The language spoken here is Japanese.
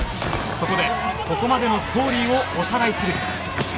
そこでここまでのストーリーをおさらいする